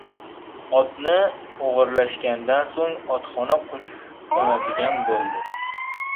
• Otni o‘g‘irlashgandan so‘ng, otxona qulflanadigan bo‘ldi.